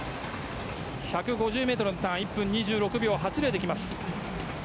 １５０ｍのターン１分２６秒８０で来ます。